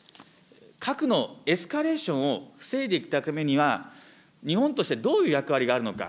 核のエスカレーションを防いでいくためには、日本としてどういう役割があるのか。